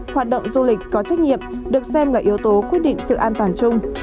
hoạt động du lịch có trách nhiệm được xem là yếu tố quyết định sự an toàn chung